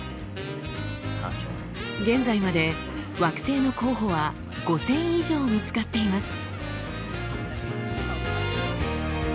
現在まで惑星の候補は５，０００以上見つかっています。